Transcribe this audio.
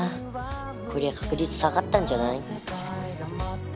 こりゃ確率下がったんじゃない？